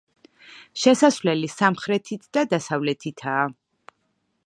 შესასვლელი სამხრეთით და დასავლეთითაა.